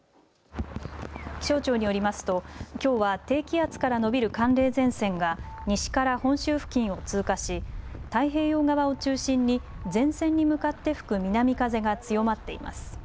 気象庁によりますときょうは低気圧から延びる寒冷前線が西から本州付近を通過し太平洋側を中心に前線に向かって吹く南風が強まっています。